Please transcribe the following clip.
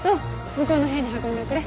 向こうの部屋に運んでおくれ。